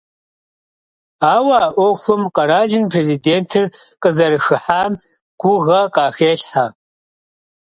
Ауэ а Ӏуэхум къэралым и Президентыр къызэрыхыхьам гугъэ къахелъхьэ.